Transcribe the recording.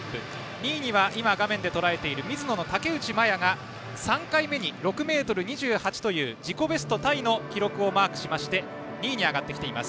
２位にはミズノの竹内真弥が３回目に６ｍ２８という自己ベストタイの記録をマークし２位に上がってきています。